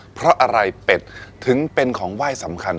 เพราะอะไรเป็ดถึงเป็นของไหว้สำคัญ